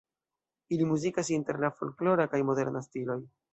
Ili muzikas inter la folklora kaj moderna stiloj.